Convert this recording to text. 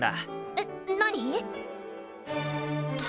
えっ何？